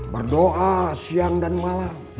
berdoa siang dan malam